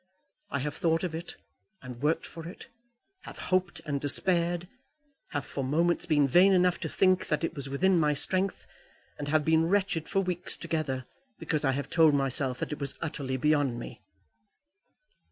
I have thought of it and worked for it, have hoped and despaired, have for moments been vain enough to think that it was within my strength, and have been wretched for weeks together because I have told myself that it was utterly beyond me."